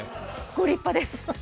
ご立派です。